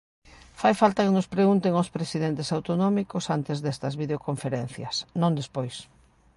Fai falta que nos pregunten aos presidentes autonómicos antes destas videoconferencias, non despois.